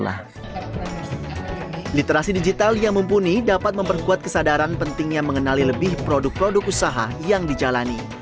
literasi digital yang mumpuni dapat memperkuat kesadaran pentingnya mengenali lebih produk produk usaha yang dijalani